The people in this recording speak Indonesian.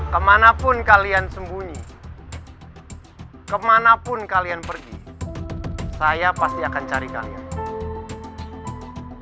kemanapun kalian sembunyi kemanapun kalian pergi saya pasti akan cari kalian